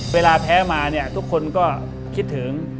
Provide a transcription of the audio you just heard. แพ้มาเนี่ยทุกคนก็คิดถึง